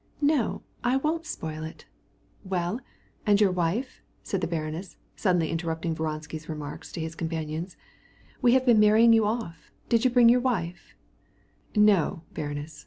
"No, I won't spoil it! Well, and your wife?" said the baroness suddenly, interrupting Vronsky's conversation with his comrade. "We've been marrying you here. Have you brought your wife?" "No, baroness.